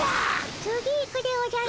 次行くでおじゃる。